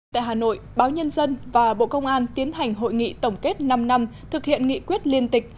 tại hà nội báo nhân dân và bộ công an tiến hành hội nghị tổng kết năm năm thực hiện nghị quyết liên tịch